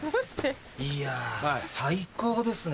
いや最高ですね。